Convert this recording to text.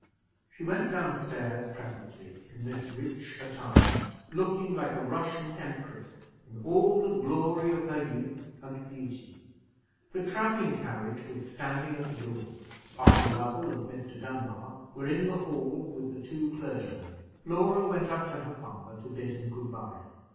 She went down stairs presently in this rich attire, looking like a Russian empress, in all the glory of her youth and beauty. The travelling carriage was standing at the door; Arthur Lovell and Mr. Dunbar were in the hall with the two clergymen. Laura went up to her father to bid him good bye.